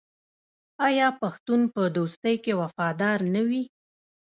آیا پښتون په دوستۍ کې وفادار نه وي؟